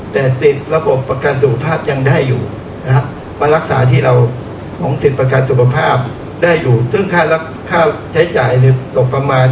แต่สิทธิ์ระบบประกันสุขภาพคือการรักษาในเงิบแค่๓๓๐๐๐๐บาท